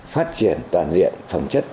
phát triển toàn diện phẩm chất